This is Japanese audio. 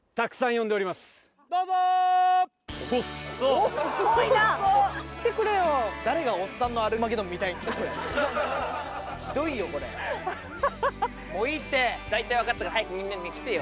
お次は大体分かったから早くみんな来てよ。